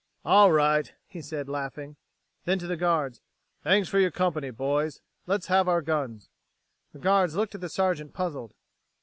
"All right," he said, laughing. Then to the guards, "Thanks for your company, boys. Let's have our guns." The guards looked at the Sergeant, puzzled.